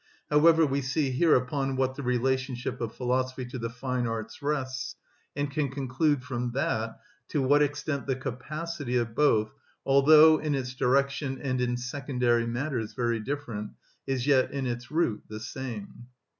However, we see here upon what the relationship of philosophy to the fine arts rests, and can conclude from that to what extent the capacity of both, although in its direction and in secondary matters very different, is yet in its root the same.